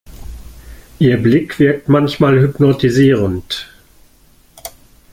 Ihr Blick wirkt manchmal hypnotisierend.